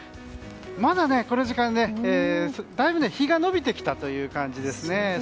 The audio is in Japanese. まだこの時間だいぶ日が延びてきたという感じですね。